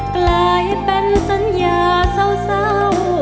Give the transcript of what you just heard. กลายเป็นสัญญาเศร้า